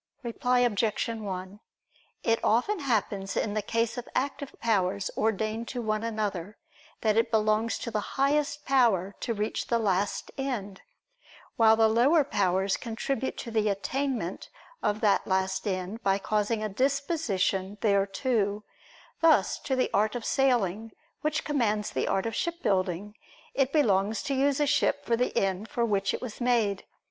Reply Obj. 1: It often happens in the case of active powers ordained to one another, that it belongs to the highest power to reach the last end, while the lower powers contribute to the attainment of that last end, by causing a disposition thereto: thus to the art of sailing, which commands the art of shipbuilding, it belongs to use a ship for the end for which it was made.